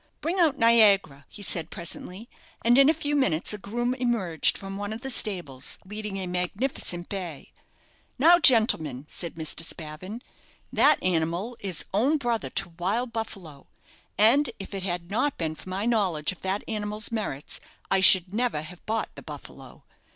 "Bring out 'Niagara,'" he said, presently, and in a few minutes a groom emerged from one of the stables, leading a magnificent bay. "Now, gentlemen," said Mr. Spavin, "that animal is own brother to 'Wild Buffalo,' and if it had not been for my knowledge of that animal's merits I should never have bought the 'Buffalo.'